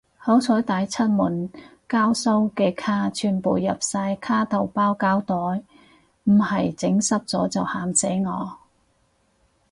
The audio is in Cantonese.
好彩帶出門交收嘅卡全部入晒卡套包膠袋，唔係整濕咗就喊死我